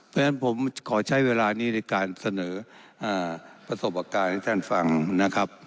เพราะฉะนั้นผมขอใช้เวลานี้ในการเสนอประสบการณ์ให้ท่านฟังนะครับ